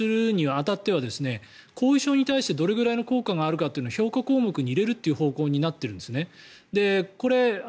アメリカなんかでも新しい薬の承認をするに当たっては後遺症に対してどれぐらいの効果があるというのは評価項目に入れるという方向になっているんです。